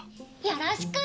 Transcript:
よろしく！